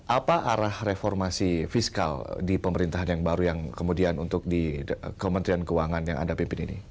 apa arah reformasi fiskal di pemerintahan yang baru yang kemudian untuk di kementerian keuangan yang anda pimpin ini